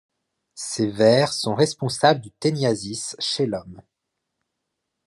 Ces vers sont responsables du tæniasis chez l'homme.